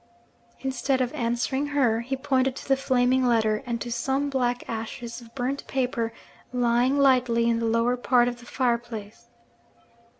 Instead of answering her, he pointed to the flaming letter, and to some black ashes of burnt paper lying lightly in the lower part of the fireplace.